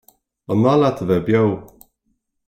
An maith leat a bheith beo?